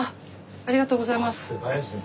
ありがとうございます。